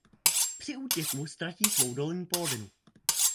Při útěku ztratí svou dolní polovinu.